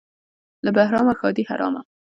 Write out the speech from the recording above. - له بهرامه ښادي حرامه.